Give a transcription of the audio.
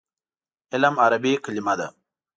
علم عربي کلمه ده.